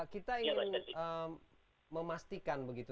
kita ingin memastikan begitu